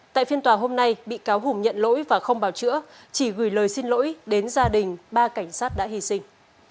tại phiên tòa hôm nay bị cáo hùng nhận lỗi và không bảo chữa chỉ gửi lời xin lỗi đến gia đình ba cảnh sát đã hy sinh